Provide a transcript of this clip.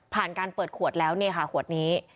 การเปิดขวดแล้วเนี่ยค่ะขวดนี้